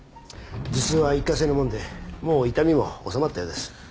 頭痛は一過性のものでもう痛みも治まったようです。